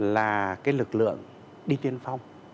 là cái lực lượng đi tiên phong